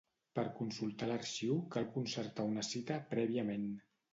Per consultar l'arxiu cal concertar una cita prèviament.